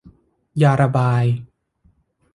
ยาระบาย